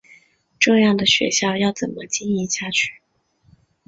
这样的学校要怎么经营下去？